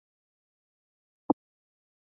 لرګی د تختې په شکل برابریږي.